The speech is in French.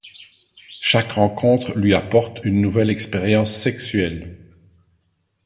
Chaque rencontre lui apporte une nouvelle expérience sexuelle.